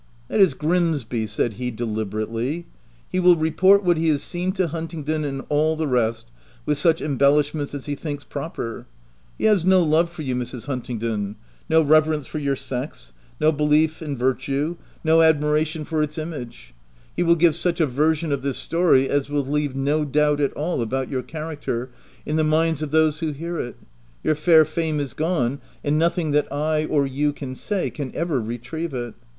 "That is Grimsby," said he deliberately. " He will report what he has seen to Hunting don and all the rest, with such embellish ments as he thinks proper. He has no love for you, Mrs. Huntingdon — no reverence for your sex — no belief in virtue — no admiration 44 THE TENANT for its image. He will give such a version of this story as will leave no doubt at all, about your character, in the minds of those who hear it. Your fair fame is gone ; and nothing that I or you can say can ever retrieve it.